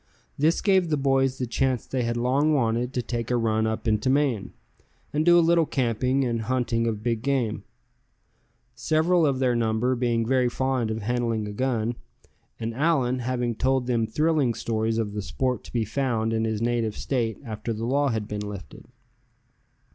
This gave the boys the chance they had long wanted to take a run up into Maine, and do a little camping, and hunting of big game; several of their number being very fond of handling a gun; and Allan having told them thrilling stories of the sport to be found in his native State after the law had been lifted.